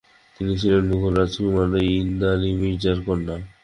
তিনি ছিলেন মুঘল রাজকুমার হিন্দাল মির্জার কন্যা।